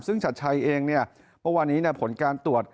ซึ่งชัดชัยเองเมื่อวานนี้ผลการตรวจ